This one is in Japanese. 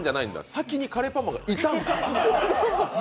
先にカレーパンマンがいたんだ。